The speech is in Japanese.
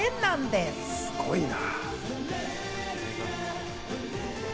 すごいな。